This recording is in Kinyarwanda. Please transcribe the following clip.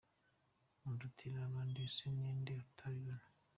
Undutira abandi , ese ni nde utabibona?.